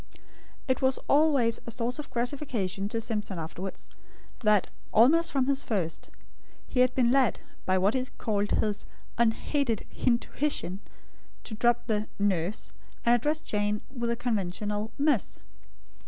It was always a source of gratification to Simpson afterwards, that, almost from the first, he had been led, by what he called his "unHaided HintuHition," to drop the "nurse," and address Jane with the conventional "miss."